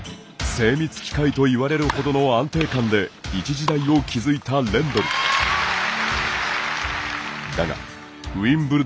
精密機械といわれるほどの安定感で一時代を築いたレンドル。